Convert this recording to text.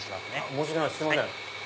申し訳ないですすいません。